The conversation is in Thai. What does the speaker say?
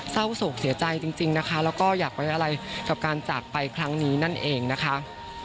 เศร้าโศกเสียใจจริงนะคะแล้วก็อยากไว้อะไรกับการจากไปครั้งนี้นั่นเองนะคะ